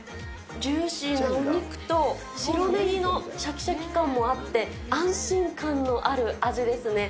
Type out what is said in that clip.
ジューシーなお肉と、白ネギのしゃきしゃき感もあって、安心感のある味ですね。